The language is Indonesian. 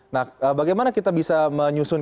nah bagaimana kita bisa menyusun